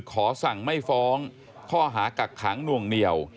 ขอสั่งไม่ฟ้องข้อหากักขังนวงเหนียว